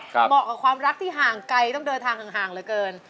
เหมาะกับความรักที่ห่างไกลต้องเดินทางห่างเหลือเกิน